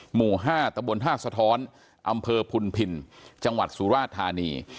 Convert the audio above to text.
หมู่๕ตะบนท่าสะท้อนอำเภอพุนพินจังหวัดสุราชธานี